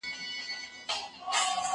هغه وويل چي زده کړه مهمه ده؟!